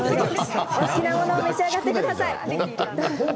お好きなものを召し上がってください。